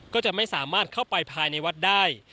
ก็จะไม่สามารถเข้าไปภายในวัดได้